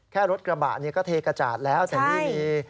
แค่รถกระบะเนี่ยก็เทกระจาดแล้วแต่นี่มี